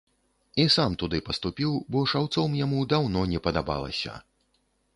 І сам туды паступіў, бо шаўцом яму даўно не падабалася.